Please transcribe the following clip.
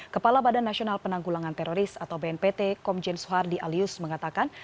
kepala badan nasional penanggulangan teroris atau bnpt komjen soehardi alius mengatakan